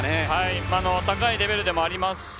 高いレベルでもありますし